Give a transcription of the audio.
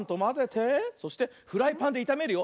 そしてフライパンでいためるよ。